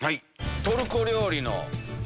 トルコ料理の。